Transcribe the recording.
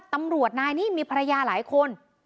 ตำรวจนายนี้มีภรรยาหลายคน